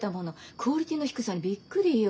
クオリティーの低さにびっくりよ。